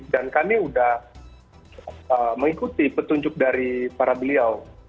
dan kami sudah mengikuti petunjuk dari para beliau